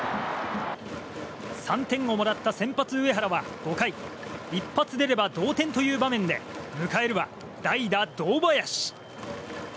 ３点をもらった先発、上原は５回一発出れば同点という場面で迎えるは代打、堂林。